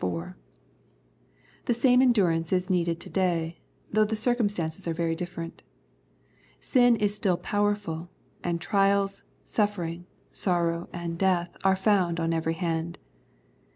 The same endurance is needed to day, though the circumstances are very different. Sin is still powerful, and trials, suffering, sorrow and death are found on every hand.